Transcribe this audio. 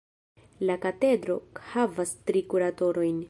La katedro havas tri kuratorojn.